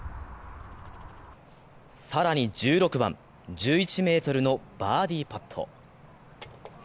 更に１６番、１１ｍのバーディーパット。